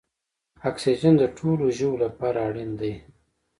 اکسیجن د ټولو ژویو لپاره اړین دی